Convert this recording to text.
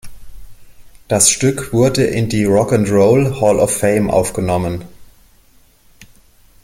Das Stück wurde in die Rock and Roll Hall of Fame aufgenommen.